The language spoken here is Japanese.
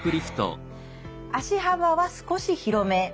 足幅は少し広め。